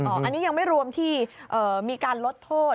อันนี้ยังไม่รวมที่มีการลดโทษ